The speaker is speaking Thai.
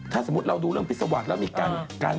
ถ้าสมมุติเราดูเรื่องพิษวรรษแล้วมีการ